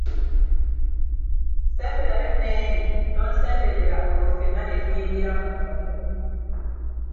Semberayo n'eri, tonsemberera olwo fenna ne tuyingira mu mpuku.